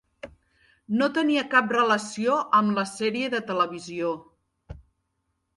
No tenia cap relació amb la sèrie de televisió.